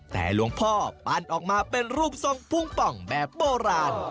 แต่หลวงพ่อปั้นออกมาเป็นรูปทรงพุ่งป่องแบบโบราณ